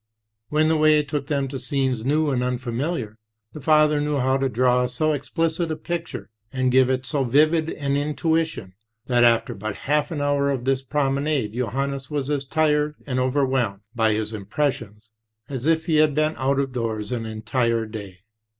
When the way took them to scenes new and unfamiliar, the father knew how to draw so explicit a picture, and give it so vivid an intui tion, that after but half an'liour of this promenade Johannes was as tired and overwhelmed by his impressions as if he had been out of doors an entire day.